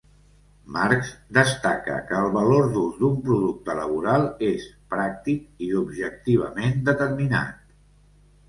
Marx destaca que el valor d'ús d'un producte laboral és pràctic i objectivament determinat.